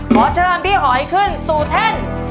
ขอเชิญพี่หอยขึ้นสู่แท่น